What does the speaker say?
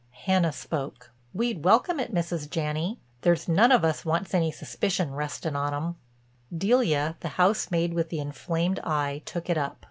Hannah spoke: "We'd welcome it, Mrs. Janney. There's none of us wants any suspicion restin' on 'em." Delia, the housemaid with the inflamed eye, took it up.